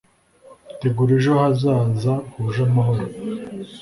tegura ejo hazaza huje amahoro